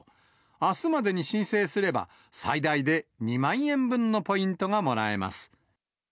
あすまでに申請すれば、最大で２万円分のポイントがもらえます。